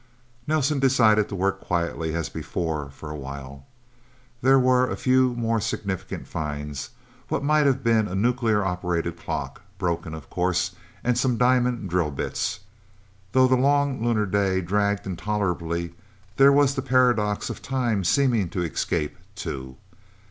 Nelsen decided to work quietly, as before, for a while... There were a few more significant finds what might have been a nuclear operated clock, broken, of course, and some diamond drill bits. Though the long lunar day dragged intolerably, there was the paradox of time seeming to escape, too.